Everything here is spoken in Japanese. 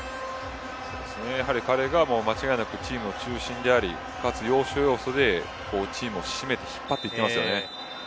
やはり彼は間違いなくチームの中心でありかつ要所要所でチームを引き締めて引っ張っていきますよね。